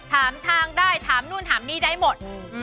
ถามทางได้ถามนู่นถามนี่ได้หมด